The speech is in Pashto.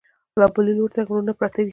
بل لوري ته یې غرونه پراته دي.